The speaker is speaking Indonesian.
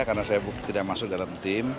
karena saya tidak masuk dalam tim